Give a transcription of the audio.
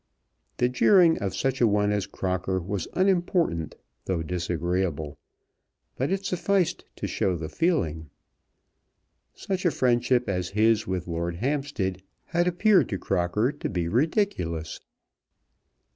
The jeering of such a one as Crocker was unimportant though disagreeable, but it sufficed to show the feeling. Such a friendship as his with Lord Hampstead had appeared to Crocker to be ridiculous.